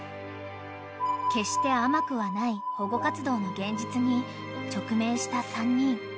［決して甘くはない保護活動の現実に直面した３人］